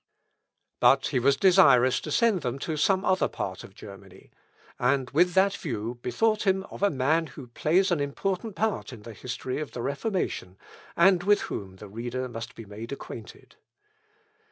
But he was desirous to send them to some other part of Germany; and with that view bethought him of a man who plays an important part in the history of the Reformation, and with whom the reader must be made acquainted.